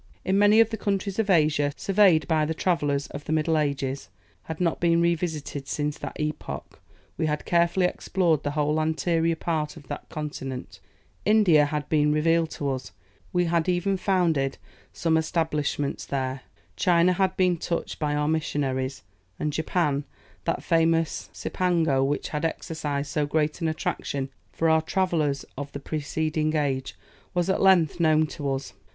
If many of the countries of Asia, surveyed by the travellers of the middle ages, had not been revisited since that epoch, we had carefully explored the whole anterior part of that continent, India had been revealed to us, we had even founded some establishments there, China had been touched by our missionaries, and Japan, that famous Cipango which had exercised so great an attraction for our travellers of the preceding age, was at length known to us.